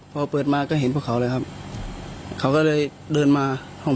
พอเปิดมาก็เห็นพวกเขาเลยครับเขาก็เลยเดินมาห้อง